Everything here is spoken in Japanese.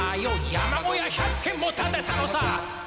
山小屋百軒も建てたのさ」